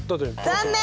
残念！